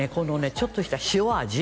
ちょっとした塩味